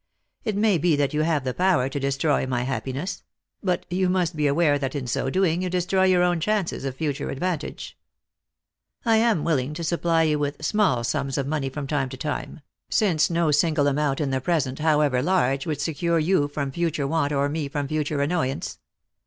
It may be that you have the power to destroy my happiness ; but you must be aware that in so doing you destroy your own chances of future advantage. I am will ing to supply you with small sums of money from time to time, since no single amount in the present, however large, would secure you from future want or me from future annoyance.